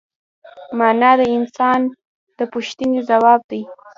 مانا د انسان د پوښتنې ځواب دی.